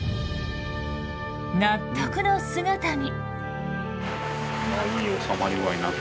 納得の姿に。